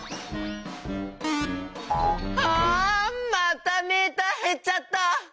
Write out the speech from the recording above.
あまたメーターへっちゃった！